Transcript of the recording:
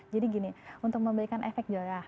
jadi gini untuk memberikan efek jorah